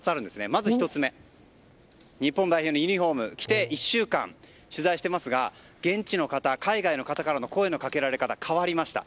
まず１つ目日本代表のユニホームを着て１週間ほど取材していますが現地の方、海外の方からの声のかけられ方、変わりました。